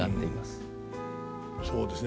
そうですね。